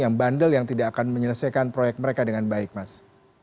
yang bandel yang tidak akan menyelesaikan proyek mereka dengan baik mas